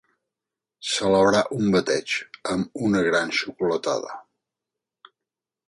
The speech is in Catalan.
Celebrar un bateig amb una gran xocolatada.